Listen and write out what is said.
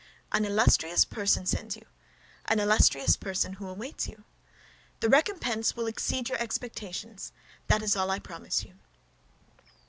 "An illustrious person sends you; an illustrious person awaits you. The recompense will exceed your expectations; that is all I promise you."